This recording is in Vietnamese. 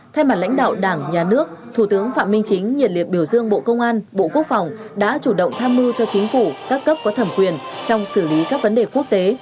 thay mặt lãnh đạo đảng nhà nước thủ tướng phạm minh chính nhiệt liệt biểu dương bộ công an bộ quốc phòng đã chủ động tham mưu cho chính phủ các cấp có thẩm quyền trong xử lý các vấn đề quốc tế